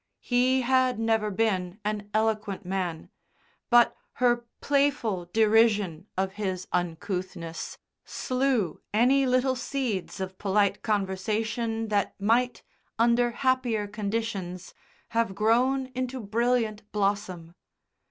He had never been an eloquent man, but her playful derision of his uncouthness slew any little seeds of polite conversation that might, under happier conditions, have grown into brilliant blossom.